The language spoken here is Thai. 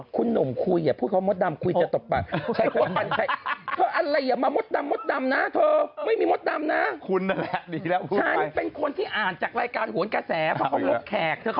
คุณหนุ่มคุยพูดเขามดดำคุยจะตบปาก